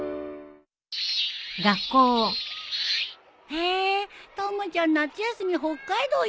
へえたまちゃん夏休み北海道行くの？